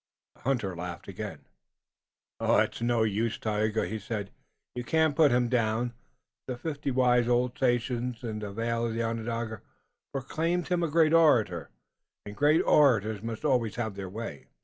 The hunter laughed again. "It's no use, Tayoga," he said. "You can't put him down. The fifty wise old sachems in the vale of Onondaga proclaimed him a great orator, and great orators must always have their way."